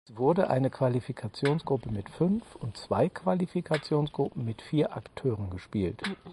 Es wurden eine Qualifikationsgruppe mit fünf und zwei Qualifikationsgruppen mit vier Akteuren gespielt.